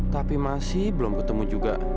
tapi masih belum ketemu juga